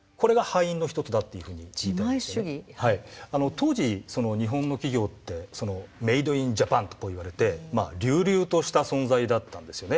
当時日本の企業ってメードインジャパンとこう言われて隆々とした存在だったんですよね。